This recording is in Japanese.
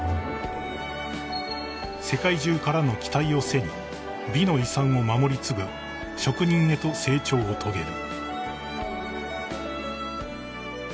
［世界中からの期待を背に美の遺産を守り継ぐ職人へと成長を遂げる］